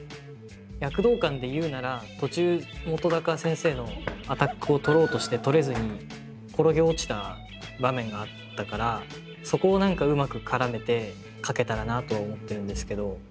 躍動感でいうなら途中本先生のアタックをとろうとしてとれずにそこを何かうまく絡めて書けたらなとは思ってるんですけど。